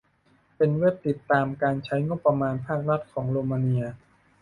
เป็นเว็บติดตามการใช้งบประมาณภาครัฐของโรมาเนีย